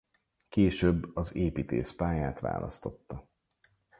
Később az építész pályát választotta.